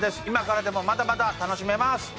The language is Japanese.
今からでもまだまだ楽しめます。